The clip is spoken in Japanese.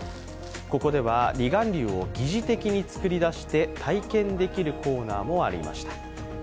ここでは離岸流を擬似的に作り出して体験できるコーナーもありました。